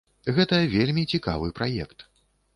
Гэта вельмі цікавы праект.